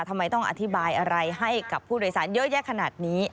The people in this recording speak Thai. ทำไมต้องอธิบายอะไรให้กับผู้โดยสารเยอะแยะขนาดนี้